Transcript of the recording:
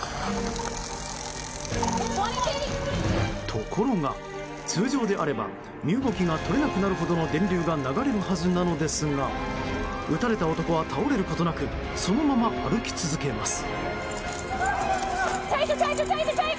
ところが、通常であれば身動きが取れなくなるほどの電流が流れるはずなのですが撃たれた男は倒れることなくそのまま歩き続けます。